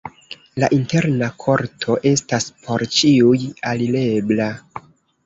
La interna korto estas por ĉiuj alirebla.